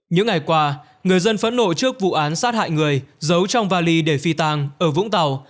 những ngày qua người dân phẫn nộ trước vụ án sát hại người giấu trong vali để phi tang ở vũng tàu